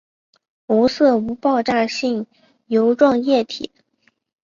无色无爆炸性油状液体。